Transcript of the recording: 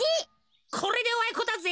これでおあいこだぜ。